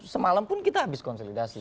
semalam pun kita habis konsolidasi